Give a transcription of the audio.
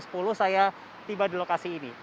sejak tadi saya tiba di lokasi ini